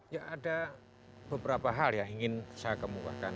ya ada beberapa hal yang ingin saya kemukakan